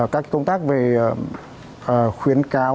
các cái công tác về khuyến cáo